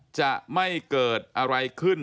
จะไม่เกิดอะไรขึ้น